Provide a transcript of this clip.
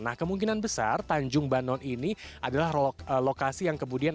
nah kemungkinan besar tanjung banon ini adalah lokasi yang kemudian